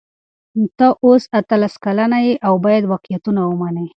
ته اوس اتلس کلنه یې او باید واقعیتونه ومنې.